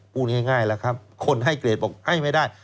พูดง่ายคนให้เกรดบอกให้ไม่ได้